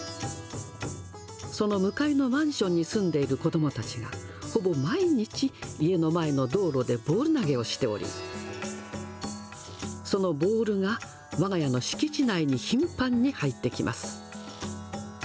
その向かいのマンションに住んでいる子どもたちがほぼ毎日、家の前の道路でボール投げをしており、そのボールがわが家の敷地内に頻繁に入ってきます。